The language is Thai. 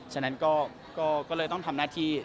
ฉะนั้นก็เลยต้องทำหน้าที่